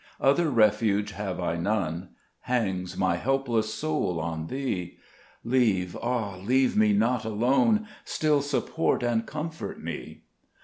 Other refuge have I none ; Hangs my helpless soul on Thee ; Leave, ah ! leave me not alone, Still support and comfort me.